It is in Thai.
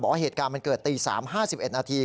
ว่าเหตุการณ์มันเกิดตี๓๕๑นาที